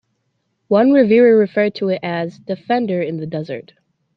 One reviewer referred to it as "Defender in the desert".